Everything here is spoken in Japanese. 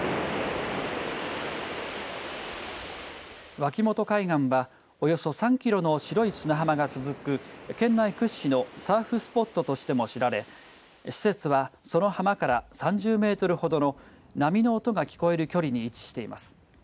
脇本海岸はおよそ３キロの白い砂浜が続く県内屈指のサーフスポットとしても知られ施設はその浜から３０メートルほどの波の音が聞こえる距離に位置しています。